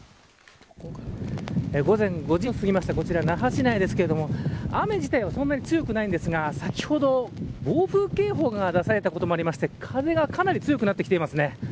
午前５時を過ぎましたこちら、那覇市内ですが雨自体はそんなに強くないんですが先ほど、暴風警報が出されたこともあって風がかなり強くなってきていますね。